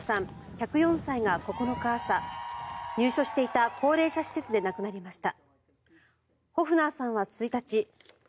１０４歳が９日朝、入所していた高齢者施設で亡くなりました。